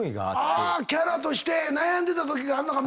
キャラとして悩んでたときがあんのか。